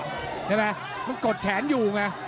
ใช่ไหมมันกดแขนอยู่ไง